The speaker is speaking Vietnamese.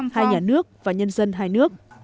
hai nhà nước và nhân dân hai nước